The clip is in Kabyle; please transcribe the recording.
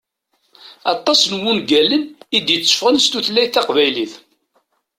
Aṭas n wungalen i d-iteffɣen s tutlayt taqbaylit.